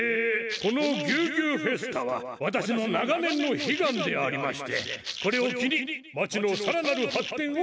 このぎゅうぎゅうフェスタはわたしの長年の悲がんでありましてこれをきに町のさらなる発てんを。